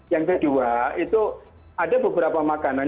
yang kedua itu ada beberapa makanan